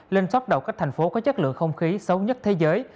lên top đầu các thành phố có chất lượng không khí xấu nhất thế giới